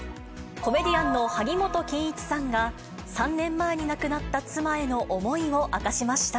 コメディアンの萩本欽一さんが、３年前に亡くなった妻への思いを明かしました。